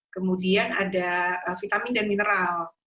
kemudian ada vitamin dan mineral